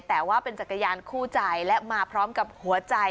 แต่ว่าเป็นจักรยานคู่ใจและมาพร้อมกับหัวใจ